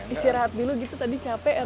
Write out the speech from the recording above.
istirahat dulu gitu tadi capek